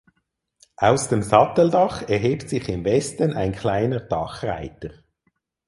Aus dem Satteldach erhebt sich im Westen ein kleiner Dachreiter.